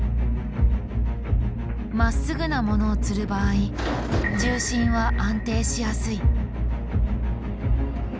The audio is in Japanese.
まっすぐなものをつる場合重心は安定しやすい。